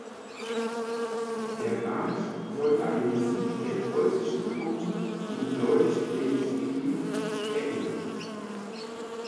Der Marsch sollte an den Sieg der preußischen Truppen im Deutsch-Dänischen Krieg erinnern.